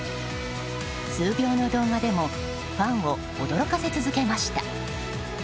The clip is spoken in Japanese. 数秒の動画でもファンを驚かせ続けました。